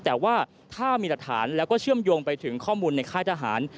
แต่ว่าถ้ามีหลักฐานแล้วก็เชื่อมโยงไปถึงข้อมูลในค่ายทหาร